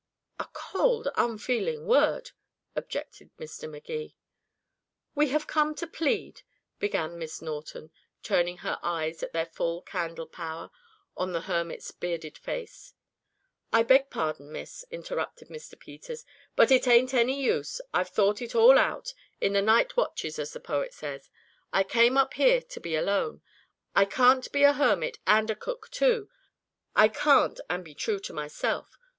"A cold unfeeling word," objected Mr. Magee. "We have come to plead" began Miss Norton, turning her eyes at their full candle power on the hermit's bearded face. "I beg pardon, miss," interrupted Mr. Peters, "but it ain't any use. I've thought it all out in the night watches, as the poet says. I came up here to be alone. I can't be a hermit and a cook, too. I can't and be true to myself.